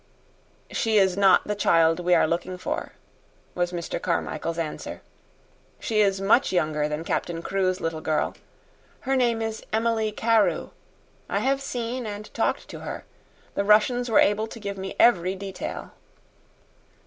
"She is not the child we are looking for," was Mr. Carmichael's answer. "She is much younger than Captain Crewe's little girl. Her name is Emily Carew. I have seen and talked to her. The Russians were able to give me every detail."